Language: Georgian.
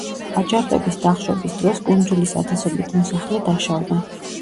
აჯანყების დახშობის დროს კუნძულის ათასობით მოსახლე დაშავდა.